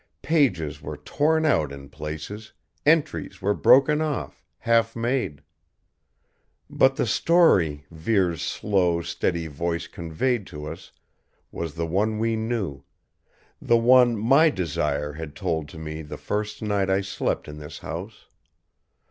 Pages were torn out in places, entries were broken off, half made. But the story Vere's slow, steady voice conveyed to us was the one we knew; the one my Desire had told to me the first night I slept in this house.